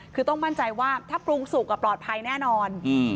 คือต้องมั่นใจว่าถ้าปรุงสุกปลอดภัยแน่นอน